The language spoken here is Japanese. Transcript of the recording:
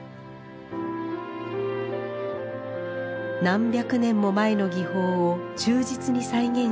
何百年も前の技法を忠実に再現しなおかつ